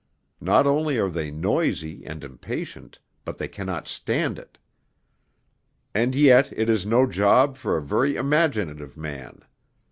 Not only are they noisy and impatient, but they cannot stand it. And yet it is no job for a very imaginative man.